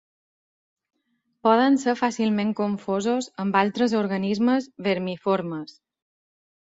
Poden ser fàcilment confosos amb altres organismes vermiformes.